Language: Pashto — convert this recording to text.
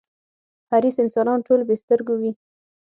حریص انسانان ټول بې سترگو وي.